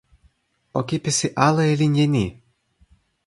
o kipisi ala e linja ni!